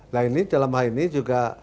nah ini dalam hal ini juga